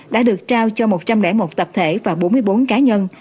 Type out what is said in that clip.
đã được trao cho một trăm linh một tập thể và bốn mươi bốn cá nhân